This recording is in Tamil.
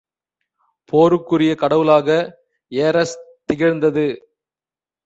போருக்குரிய கடவுளாக ஏரஸ் திகழ்ந்தது.